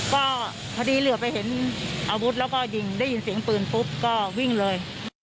ก็พอดีเหลือไปเห็นอาวุธแล้วก็ยิงได้ยินเสียงปืนปุ๊บก็วิ่งเลย